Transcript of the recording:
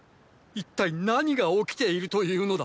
一体何が起きているというのだ？